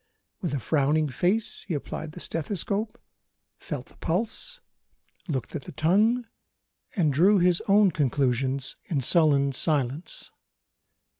With a frowning face he applied the stethoscope, felt the pulse, looked at the tongue and drew his own conclusions in sullen silence.